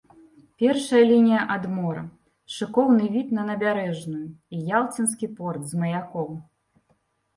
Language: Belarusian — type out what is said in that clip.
Першая лінія ад мора, шыкоўны від на набярэжную і ялцінскі порт з маяком.